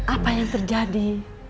apa yang terjadi